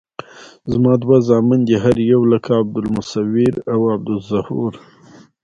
زما دوه زامن دي هر یو لکه عبدالمصویر او عبدالظهور.